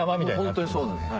ホントにそうなんです。